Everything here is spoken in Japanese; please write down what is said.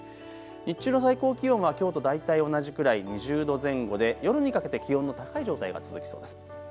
日中の最高気温はきょうと大体同じくらい２０度前後で夜にかけて気温の高い状態が続きそうです。